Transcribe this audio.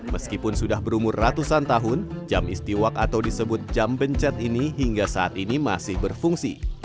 meskipun sudah berumur ratusan tahun jam istiwak atau disebut jam bencet ini hingga saat ini masih berfungsi